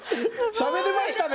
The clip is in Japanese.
しゃべれましたね